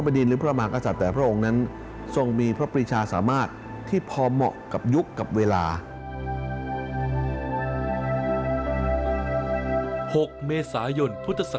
๖เมษายนพุทธศักราช๒๓๒๕